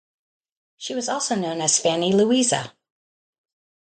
She was also known as Fanny Louisa.